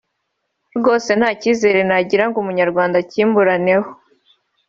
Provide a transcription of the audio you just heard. rwose nta cyiza nagira ngo umunyarwanda akimburane ho)